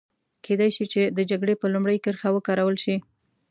کېدای شي چې د جګړې په لومړۍ کرښه وکارول شي.